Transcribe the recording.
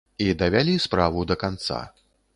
І давялі справу да канца.